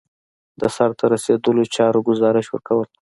د سرته رسیدلو چارو ګزارش ورکول.